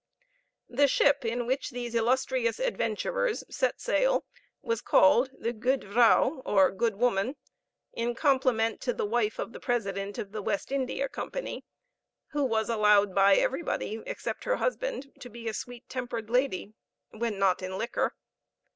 The ship in which these illustrious adventurers set sail was called the Goede Vrouw, or good woman, in compliment to the wife of the president of the West India Company, who was allowed by everybody, except her husband, to be a sweet tempered lady when not in liquor.